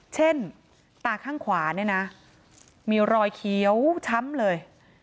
ตาข้างขวาเนี่ยนะมีรอยเขียวช้ำเลย